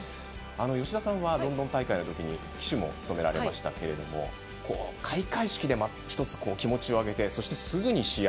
吉田さんはロンドン大会で旗手も務められましたが開会式で１つ気持ちを上げてすぐに試合。